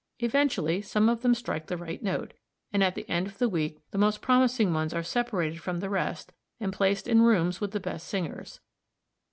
Eventually some of them strike the right note, and at the end of the week the most promising ones are separated from the rest and placed in rooms with the best singers.